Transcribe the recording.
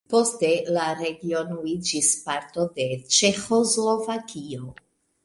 Poste la regiono iĝis parto de Ĉeĥoslovakio.